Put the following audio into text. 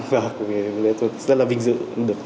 và tôi rất là vinh dự được tham gia chương trình này